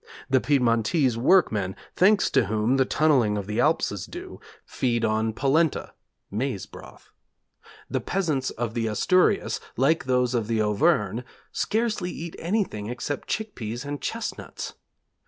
The Piedmontese workmen, thanks to whom the tunnelling of the Alps is due, feed on polenta, (maize broth). The peasants of the Asturias, like those of the Auvergne, scarcely eat anything except chick peas and chestnuts